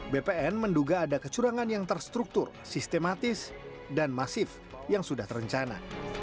bpn menduga ada kecurangan yang terstruktur sistematis dan masif yang sudah terencana